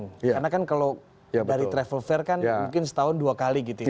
karena kan kalau dari travel fair kan mungkin setahun dua kali gitu ya